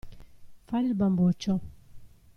Fare il bamboccio.